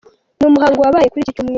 Ni umuhango wabaye kuri iki Cyumweru.